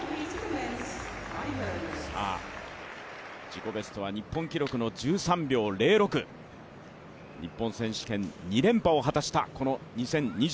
自己ベストは日本記録の１３秒０６、日本選手権２連覇を果たしたこの２０２２年。